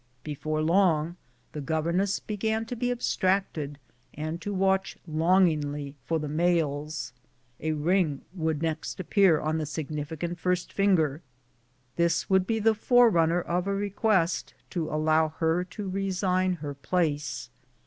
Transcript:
Before long the governess began to be abstracted, and watch longingly for the mails. A ring would next appear on the significant first finger, and be the forerunner of a request to allow her to resign her place.